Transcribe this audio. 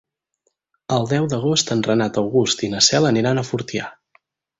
El deu d'agost en Renat August i na Cel aniran a Fortià.